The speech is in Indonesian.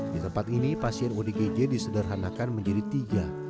di tempat ini pasien odgj disederhanakan menjadi tiga